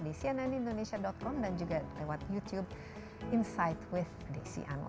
di cnn indonesia com dan juga lewat youtube insight with desi